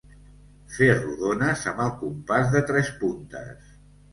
Fer rodones amb el compàs de tres puntes.